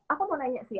aku mau nanya sih